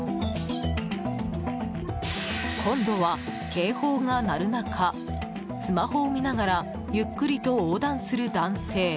今度は警報が鳴る中スマホを見ながらゆっくりと横断する男性。